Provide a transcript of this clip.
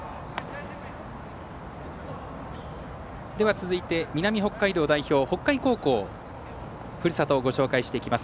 続いて、南北海道代表北海高校のふるさとをご紹介します。